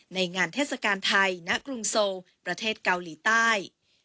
ในงานเทศกาลไทยณกรุงโซลประเทศเกาหลีใต้